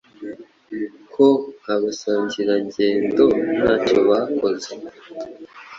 ko abasangirangendo ntacyo bakoze